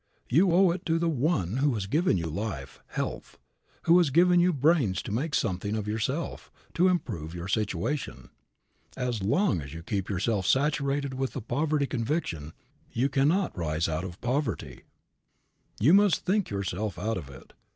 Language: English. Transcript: You owe it to the One who has given you life, health, who has given you brains to make something of yourself, to improve your situation. As long as you keep yourself saturated with the poverty conviction you cannot rise out of poverty. You must think yourself out of it.